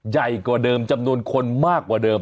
ใหญ่กว่าเดิมจำนวนคนมากกว่าเดิม